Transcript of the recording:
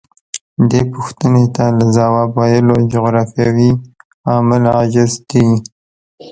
دې پوښتنې ته له ځواب ویلو جغرافیوي عوامل عاجز دي.